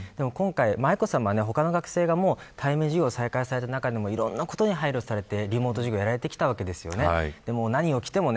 愛子さま、他の学生が対面授業を再開された中でいろんなことに配慮されてリモート授業をやられたわけですよね。